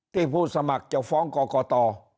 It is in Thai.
ที่ผู้สมัครจะฟ้องก่อก่อต่อ